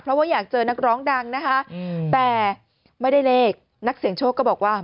เพราะว่าอยากเจอนักร้องดังนะคะแต่ไม่ได้เลขนักเสี่ยงโชคก็บอกว่า